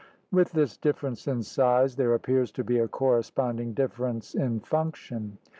With this difference in size there appears to be a correspond ing difference in function.